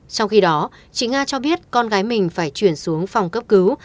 trong khi đó chị nga cho biết con gái mình phải chuyển xuống phòng cấp cứu